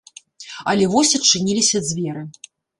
Але вось адчыніліся дзверы.